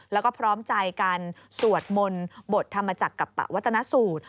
แล้วก็พร้อมใจกันสวดมนต์บทธรรมจักรกับปะวัตนสูตร